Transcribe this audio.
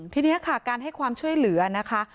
ทีนี้ค่ะการให้ความช่วยเหลือนะคะ